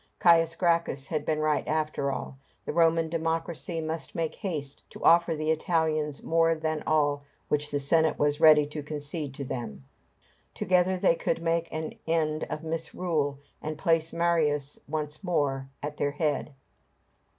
Caius Gracchus had been right after all. The Roman democracy must make haste to offer the Italians more than all which the Senate was ready to concede to them. Together they could make an end of misrule, and place Marius once more at their head.